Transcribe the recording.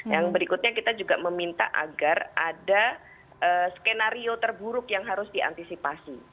yang berikutnya kita juga meminta agar ada skenario terburuk yang harus diantisipasi